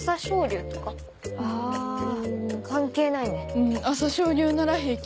うん朝青龍なら平気。